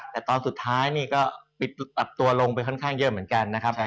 แต่ตอนสุดท้ายนี่ก็ปิดปรับตัวลงไปค่อนข้างเยอะเหมือนกันนะครับ